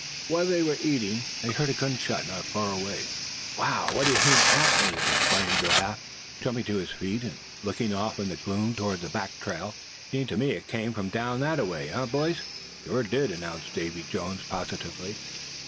While they were eating, they heard a gunshot not far away. "Wow! what d'ye think that means?" exclaimed Giraffe, jumping to his feet, and looking off in the gloom toward the back trail. "Seemed to me like it came from down that way, eh, boys." "It sure did," announced Davy Jones, positively.